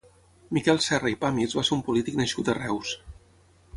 Miquel Serra i Pàmies va ser un polític nascut a Reus.